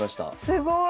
すごい。